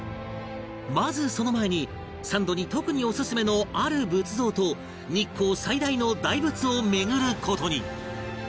まずその前にサンドに特にオススメのある仏像と日光最大の大仏を巡る事に